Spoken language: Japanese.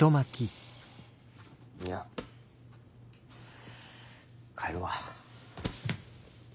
いや帰るわ。